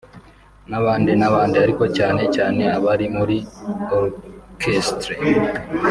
n’abandi n’abandi ariko cyane cyane abari muri Orchestre